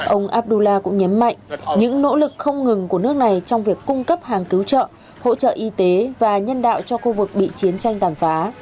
ông abdullah cũng nhấn mạnh những nỗ lực không ngừng của nước này trong việc cung cấp hàng cứu trợ hỗ trợ y tế và nhân đạo cho khu vực bị chiến tranh tàn phá